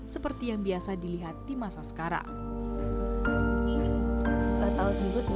seperti yang biasa dilihat di masa sekarang